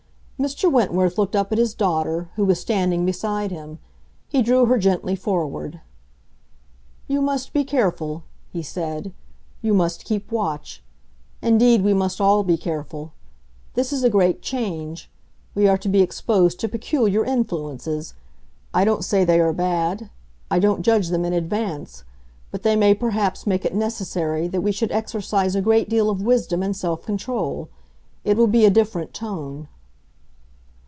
Mr. Wentworth looked up at his daughter, who was standing beside him; he drew her gently forward. "You must be careful," he said. "You must keep watch. Indeed, we must all be careful. This is a great change; we are to be exposed to peculiar influences. I don't say they are bad. I don't judge them in advance. But they may perhaps make it necessary that we should exercise a great deal of wisdom and self control. It will be a different tone."